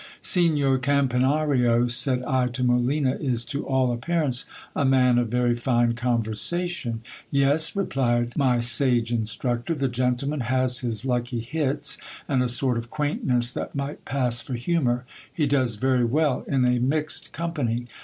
Signor Campanario, said I to Molina, is to all appearance a man of very fine conversation. Yes, replied ray sage instructor, the gendeman has his lucky hits, and a sort of quaintness that might pass for humour ; he does very well in a mixed company.